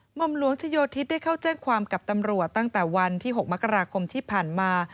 หมอมหลวงชโยธิตได้เข้าแจ้งความกับตำรวจตั้งแต่วันที่๖มกราคมที่ผ่านมา